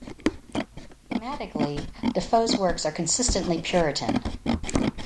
Thematically, Defoe's works are consistently Puritan.